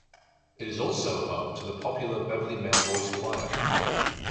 It is also home to the popular Beverley Male Voice Choir.